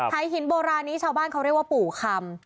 หายหินโบราณนี้ชาวบ้านเขาเรียกว่าปู่คำ